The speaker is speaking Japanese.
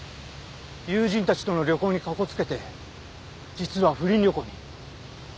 友人たちとの旅行にかこつけて実は不倫旅行に。